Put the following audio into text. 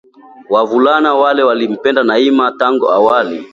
Wavulana wale walimpenda Naima tangu awali